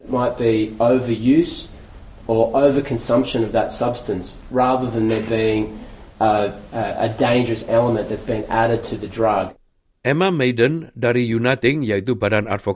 pada akhirnya yang penting adalah menyelamatkan nyawa